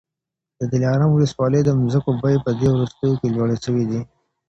د دلارام ولسوالۍ د مځکو بیې په دې وروستیو کي لوړي سوې دي.